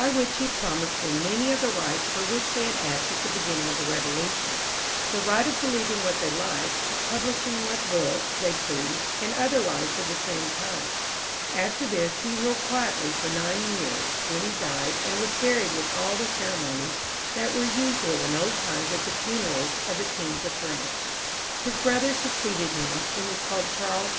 447 which he promised them many of the rights for which they had asked at the beginning of the Eevolution, the right of believing what they liked, of publishing what books they liked, and others of the same kind. After this, he ruled quietly for nine years, when he died, and was buried with all the ceremonies that were usual in old times at the funerals of the kings of France. His brother succeeded him, and was called Charles X.